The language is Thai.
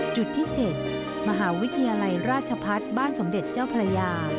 จุดที่๗มหาวิทยาลัยราชพัฒน์บ้านสมเด็จเจ้าพระยา